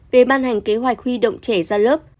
về ban hành kế hoạch huy động trẻ ra lớp